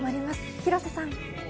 廣瀬さん。